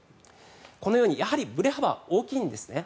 このようにやはりぶれ幅は大きいんですね。